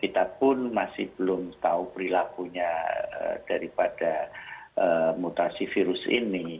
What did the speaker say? kita pun masih belum tahu perilakunya daripada mutasi virus ini